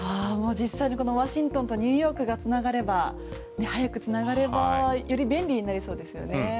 実際にこのワシントンとニューヨークが早く繋がればより便利になりそうですよね。